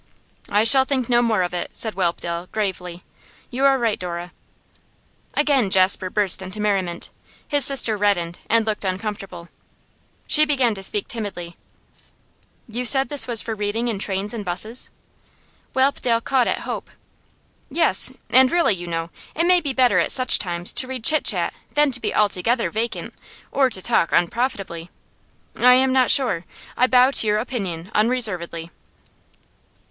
'I shall think no more of it,' said Whelpdale, gravely. 'You are right, Miss Dora.' Again Jasper burst into merriment. His sister reddened, and looked uncomfortable. She began to speak timidly: 'You said this was for reading in trains and 'buses?' Whelpdale caught at hope. 'Yes. And really, you know, it may be better at such times to read chit chat than to be altogether vacant, or to talk unprofitably. I am not sure; I bow to your opinion unreservedly.